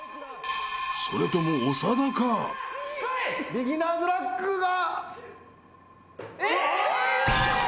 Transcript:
ビギナーズラックが。